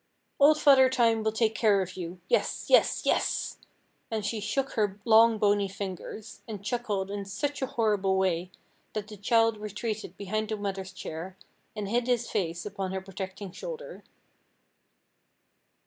"Old Father Time will take care of you. Yes! yes! yes!" And she shook her long bony fingers, and chuckled in such a horrible way, that the child retreated behind the mother's chair, and hid his face upon her protecting shoulder.